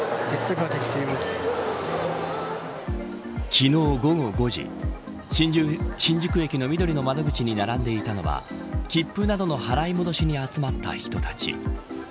昨日午後５時新宿駅のみどりの窓口に並んでいたのは切符などの払い戻しに集まった人たち。